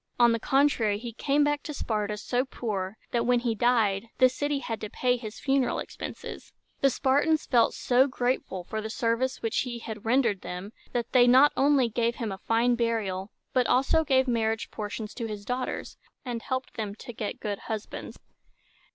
On the contrary, he came back to Sparta so poor, that, when he died, the city had to pay his funeral expenses. The Spartans felt so grateful for the services which he had rendered them, that they not only gave him a fine burial, but also gave marriage portions to his daughters, and helped them to get good husbands.